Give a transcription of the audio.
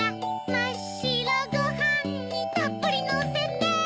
まっしろごはんにたっぷりのせて